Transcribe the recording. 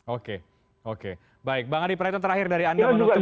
oke oke baik bang adi prahito terakhir dari anda menutup